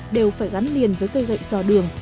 đều phải gắn liền với cây gậy dò đường